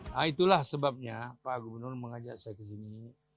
nah itulah sebabnya pak gubernur mengajak saya ke sini